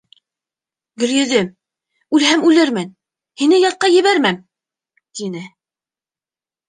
— Гөлйөҙөм, үлһәм үлермен, һине ятҡа ебәрмәм, — тине.